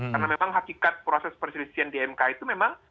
karena memang hakikat proses perselisihan di mk itu memang